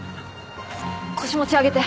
腰持ち上げて。